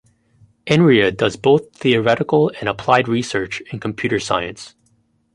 Inria does both theoretical and applied research in computer science.